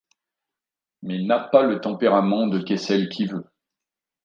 Mais n'a pas le tempérament de Kessel qui veut.